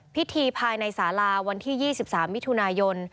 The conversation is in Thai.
พิธีภายในสาราวันที่๒๓มิถุนายน